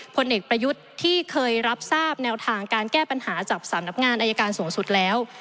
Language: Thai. ผลเอกประยุทธ์ที่เคยรับทราบแนวทางการแก้ปัญหาจากสำนักงานอายการสูงสุดแล้ว